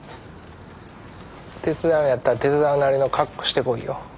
手伝うんやったら手伝うなりの格好してこいよ。